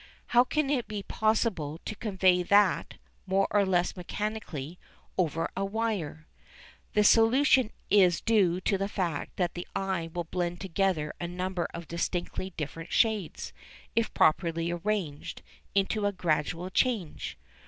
How can it be possible to convey that, more or less mechanically, over a wire? The solution is due to the fact that the eye will blend together a number of distinctly different shades, if properly arranged, into a gradual change.